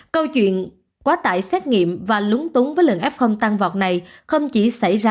câu chuyện quá tải xét nghiệm và lúng túng với lượng f tăng vọt này không chỉ xảy ra